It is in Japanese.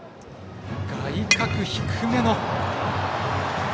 外角低めの。